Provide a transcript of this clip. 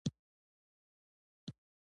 د ملي ارزښتونو د تبلیغ تربیون دی.